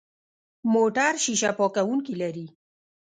موټر شیشه پاکونکي لري.